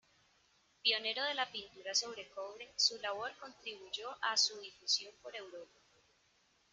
Pionero de la pintura sobre cobre, su labor contribuyó a su difusión por Europa.